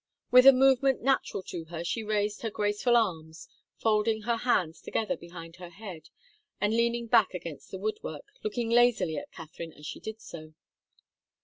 With a movement natural to her she raised her graceful arms, folding her hands together behind her head, and leaning back against the woodwork, looking lazily at Katharine as she did so.